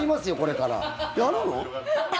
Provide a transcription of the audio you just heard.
やるの？